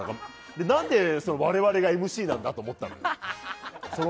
何で我々がＭＣなんだと思ったよ。